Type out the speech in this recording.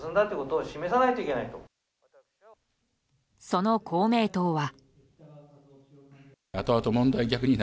その公明党は。